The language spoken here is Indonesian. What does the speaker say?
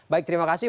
baik terima kasih